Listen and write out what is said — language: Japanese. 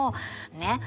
ねっ。